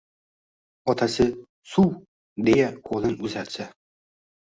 Otasi: — Suv! – deya qo’lin uzatsa